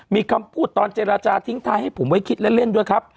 มีคำพูดตอนเจรจาทิ้งท้ายให้ผมไว้คิดเล่นด้วยครับ